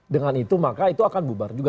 dengan itu maka itu akan bubar juga